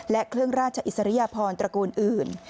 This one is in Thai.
และเครื่องราชอิสริยพรตระกูลอื่น